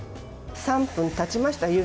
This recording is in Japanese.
３分たちました。